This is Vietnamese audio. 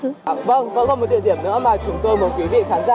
vâng vẫn còn một địa điểm nữa mà chúng tôi mời quý vị khán giả